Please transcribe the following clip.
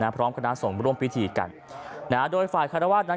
พร้อมคณะส่งร่วมพิถีกันโดยฝ่าธิภาคคาตวาฒน์